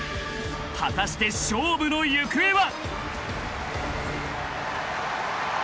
［果たして勝負の行方は！？］